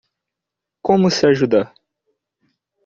Como se ajudar?